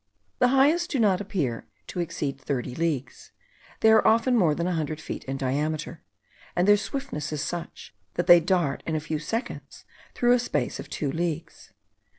The highest do not appear to exceed thirty leagues. They are often more than a hundred feet in diameter: and their swiftness is such, that they dart in a few seconds through a space of two leagues.